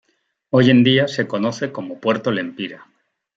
Hoy en día se conoce como Puerto Lempira.